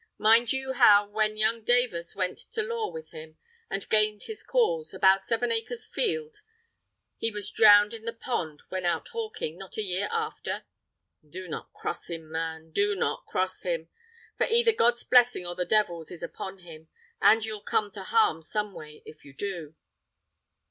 Mind you how, when young Davors went to law with him, and gained his cause, about seven acres' field, he was drowned in the pond when out hawking, not a year after? Do not cross him, man! do not cross him! for either God's blessing or the devil's is upon him, and you'll come to harm some way if you do!"